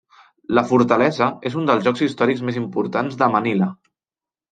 La fortalesa és un dels llocs històrics més importants de Manila.